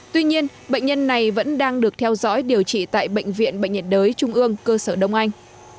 tuy nhiên bệnh nhân này vẫn đang được theo dõi điều trị tại bệnh viện bệnh nhiệt đới trung ương cơ sở đông anh